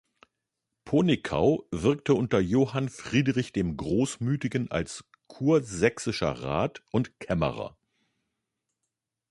Ponickau wirkte unter Johann Friedrich dem Großmütigen als kursächsischer Rat und Kämmerer.